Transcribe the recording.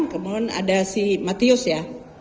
kemudian ada si matius ya